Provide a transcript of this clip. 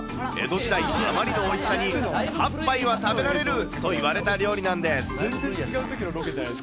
それは江戸時代、あまりのおいしさに８杯は食べられるといわれた料理なんです。